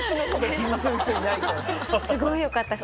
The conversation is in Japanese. すごいよかったです